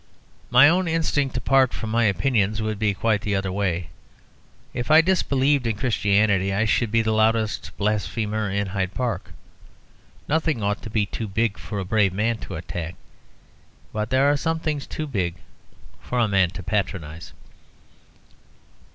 My own instinct, apart from my opinions, would be quite the other way. If I disbelieved in Christianity, I should be the loudest blasphemer in Hyde Park. Nothing ought to be too big for a brave man to attack; but there are some things too big for a man to patronise.